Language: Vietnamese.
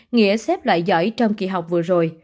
nghĩa xếp loại giỏi trong kỳ học vừa rồi